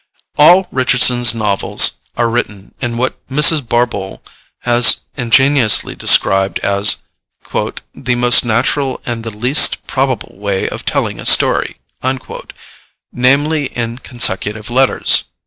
All Richardson's novels are written in what Mrs. Barbauld has ingeniously described as "the most natural and the least probable way of telling a story," namely, in consecutive letters.